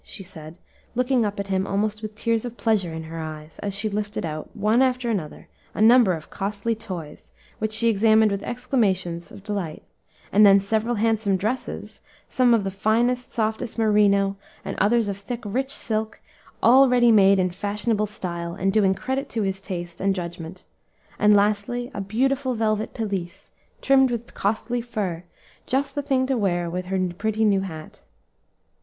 she said, looking up at him almost with tears of pleasure in her eyes, as she lifted out, one after another, a number of costly toys, which she examined with exclamations of delight, and then several handsome dresses, some of the finest, softest merino, and others of thick rich silk, all ready made in fashionable style, and doing credit to his taste and judgment; and lastly a beautiful velvet pelisse, trimmed with costly fur, just the thing to wear with her pretty new hat.